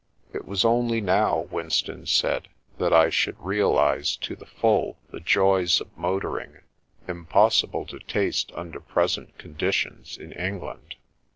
It was only now, Winston said, that I should realise to the full the joys of motoring, impossible to taste under present conditions in England.